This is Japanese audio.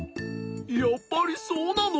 やっぱりそうなの？